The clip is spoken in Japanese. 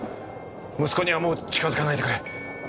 息子にはもう近付かないでくれ。